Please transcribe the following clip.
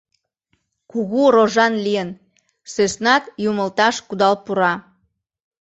Кугу рожан лийын: сӧснат юмылташ кудал пура.